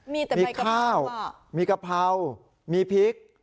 มีข้าวมีกะเพรามีพริก